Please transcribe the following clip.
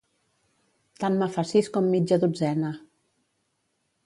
Tant me fa sis com mitja dotzena.